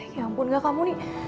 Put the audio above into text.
ya ampun gak kamu nih